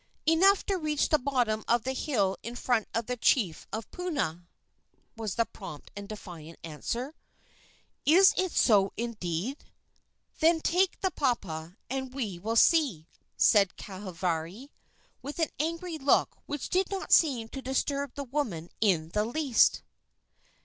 "Enough to reach the bottom of the hill in front of the chief of Puna," was the prompt and defiant answer. "Is it so, indeed? Then take the papa and we will see!" said Kahavari, with an angry look which did not seem to disturb the woman in the least.